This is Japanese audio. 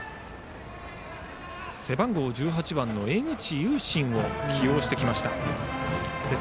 背番号１８番の江口煌雅を起用してきました。